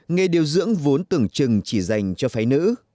nghề điều dưỡng vốn tưởng chừng chỉ dành cho phái nữ